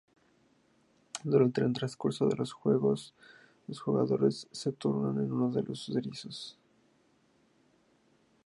Durante el transcurso del juego los jugadores se turnan con uno de sus erizos.